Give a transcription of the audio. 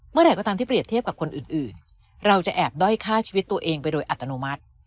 เมื่อไหร่ก็ตามที่เปรียบเทียบกับคนอื่นเราจะแอบด้อยฆ่าชีวิตตัวเองไปโดยอัตโนมัติ